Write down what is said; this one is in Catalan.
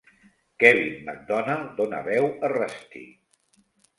Kevin McDonald dona veu a Rusty.